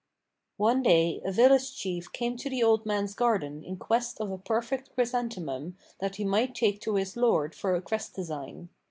One day a village chief came to the old man's garden in quest of a perfect chrysanthemum that he might take to his lord for a crest design.